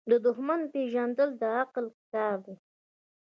دښمن پیژندل د عقل کار دی.